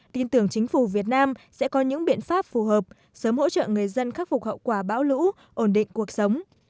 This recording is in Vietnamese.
tin tưởng chính phủ việt nam sẽ có những biện pháp phù hợp sớm hỗ trợ người dân khắc phục hậu quả bão lũ ổn định cuộc sống